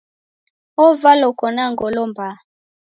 Ovalwa uko na ngolo mbaa.